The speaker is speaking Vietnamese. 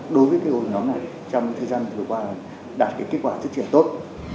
đối với hội nhóm này trong thời gian vừa qua đạt kết quả rất là tốt